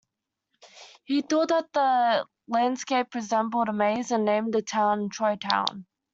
He thought that the landscape resembled a maze and named the town Troytown.